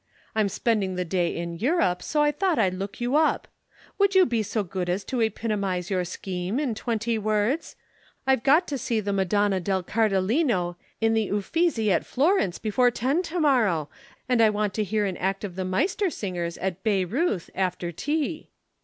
I'm spending the day in Europe, so I thought I'd look you up. Would you be so good as to epitomize your scheme in twenty words? I've got to see the Madonna del Cardellino in the Uffizi at Florence before ten to morrow, and I want to hear an act of the Meistersingers at Bayreuth after tea."